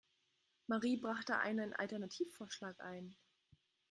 Marie brachte einen Alternativvorschlag ein.